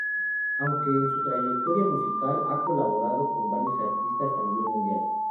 Aunque en su trayectoria musical ha colaborado con varios artistas a nivel Mundial.